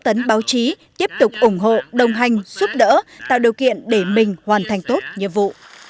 tấn báo chí tiếp tục ủng hộ đồng hành giúp đỡ tạo điều kiện để mình hoàn thành tốt nhiệm vụ